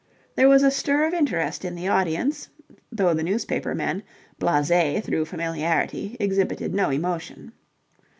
There was a stir of interest in the audience, though the newspaper men, blasé through familiarity, exhibited no emotion.